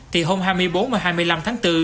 thì hôm hai mươi bốn và hai mươi năm tháng bốn